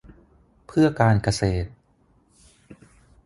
เพื่อการเกษตร